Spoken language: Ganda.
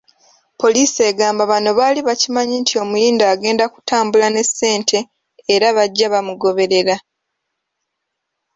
Poliisi egamba bano baali bakimanyi nti omuyindi agenda kutambula ne ssente era bajja bamugoberera.